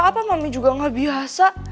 apa mami juga gak biasa